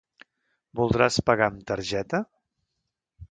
Voldràs pagar amb targeta?